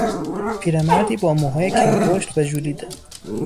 پیرمردی با موهای کم پشت و ژولیده